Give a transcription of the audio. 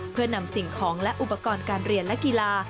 เพื่อนำสิ่งของและอุปกรณ์การเรียนและกีฬา